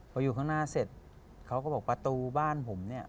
พออยู่ข้างหน้าเสร็จเขาก็บอกประตูบ้านผมเนี่ย